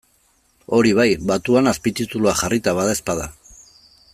Hori bai, batuan azpitituluak jarrita badaezpada.